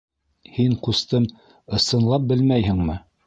- Һин, ҡустым, ысынлап белмәйһеңме?